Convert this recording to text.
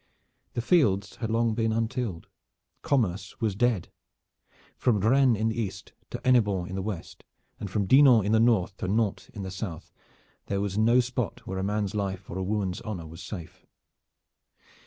The fields had long been untilled. Commerce was dead. From Rennes in the east to Hennebon in the west, and from Dinan in the north to Nantes in the south, there was no spot where a man's life or a woman's honor was safe.